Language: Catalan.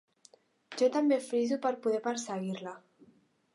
Jo també friso per poder perseguir-la.